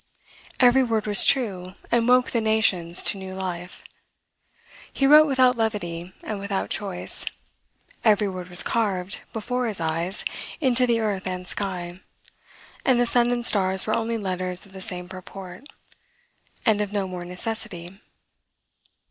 Every word was true, and woke the nations to new life. He wrote without levity, and without choice. Every word was carved, before his eyes, into the earth and sky; and the sun and stars were only letters of the same purport; and of no more necessity.